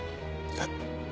えっ？